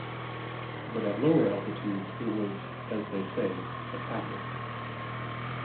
But at lower altitudes it was, as they say, 'a cow'.